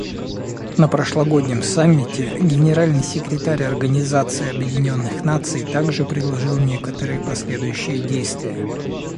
На прошлогоднем Саммите Генеральный секретарь Организации Объединенных Наций также предложил некоторые последующие действия.